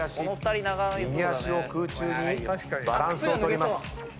右足を空中にバランスを取ります。